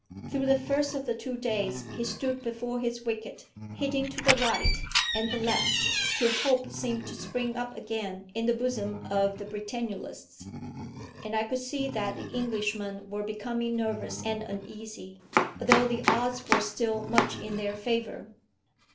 Through the first of the two days he stood before his wicket, hitting to the right and the left, till hope seemed to spring up again in the bosom of the Britannulists. And I could see that the Englishmen were becoming nervous and uneasy, although the odds were still much in their favour.